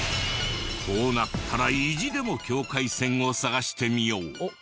こうなったら意地でも境界線を探してみよう。